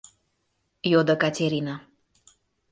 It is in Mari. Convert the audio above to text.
— йодо Катерина.